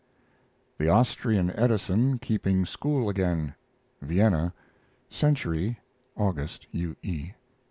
THE AUSTRIAN EDISON KEEPING SCHOOL AGAIN (Vienna) Century, August. U. E.